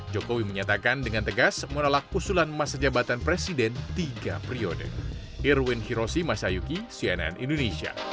jokowi menyatakan dengan tegas menolak usulan masa jabatan presiden tiga periode